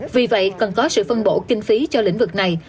vì vậy cần có sự phân bổ kinh phí cho lĩnh vực này